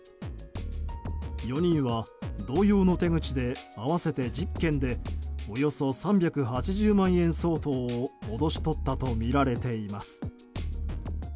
４人は同様の手口で合わせて１０件でおよそ３８０万円相当を脅し取ったとみられています。